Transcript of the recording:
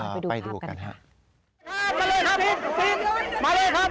ไปดูครับ